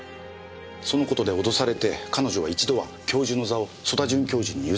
そのことで脅されて彼女は一度は教授の座を曽田准教授に譲ると約束した。